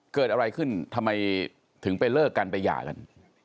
เกิดอะไรขึ้นทำไมถึงไปเลิกกันไปหย่ากัน